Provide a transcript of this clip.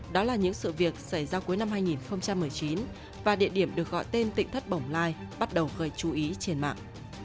đó là những sự việc xảy ra cuối năm hai nghìn một mươi chín và địa điểm được gọi tên tịnh thất bồng lai bắt đầu khơi chú ý trên mạng